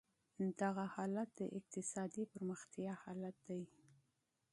دغه حالت د اقتصادي پرمختیا حالت دی.